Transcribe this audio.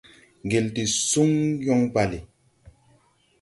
Ŋgel de suŋ yɔŋ bale.